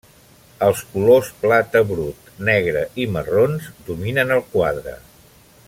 Els colors plata brut, negre i marrons dominen el quadre.